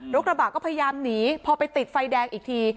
กระบะก็พยายามหนีพอไปติดไฟแดงอีกที